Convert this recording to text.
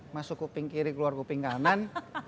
masuk kuping kiri keluar kuping kanan